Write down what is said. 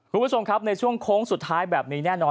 คุณผู้ชมครับในช่วงโค้งสุดท้ายแบบนี้แน่นอน